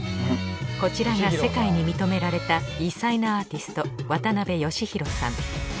こちらが世界に認められた偉才なアーティスト渡邊義絋さん。